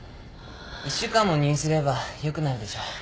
１週間も入院すればよくなるでしょう。